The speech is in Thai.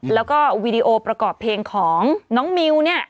แล้วก็วีดีโอประกอบเพลงของน้องมิวเนี่ย